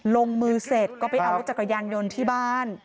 ลงมือเสร็จก็ไปเอารถจักรยานยนต์ที่บ้าน